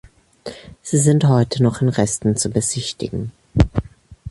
Sie sind heute noch in Resten zu besichtigen.